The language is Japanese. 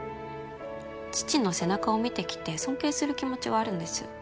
父の背中を見てきて尊敬する気持ちはあるんです